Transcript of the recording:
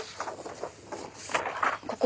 ここ。